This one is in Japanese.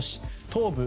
東部